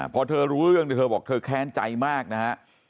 พอเธอรู้เรื่องเธอบอกเธอแค้นใจมากนะฮะ